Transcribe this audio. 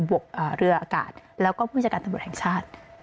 บวกเรืออากาศแล้วก็ผู้มัจจักรตรวจแห่งชาติ